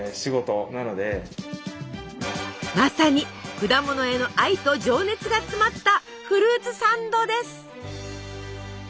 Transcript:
まさに果物への愛と情熱が詰まったフルーツサンドです！